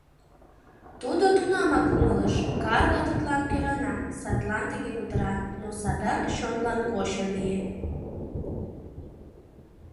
Тудо тунамак умылыш: Карла тудлан кӧрана, садлан тыге кутыра; но садак чонлан кочо лие.